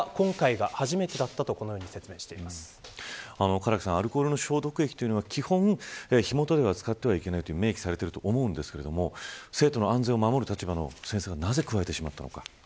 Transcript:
唐木さんアルコールの消毒液というのは基本、火元では使っていけないと明記されていると思いますが生徒の安全を守る立場の先生がなぜ加えてしまったのか。